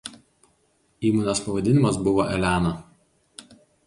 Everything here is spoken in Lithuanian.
Įmonės pavadinimas buvo „Elena“.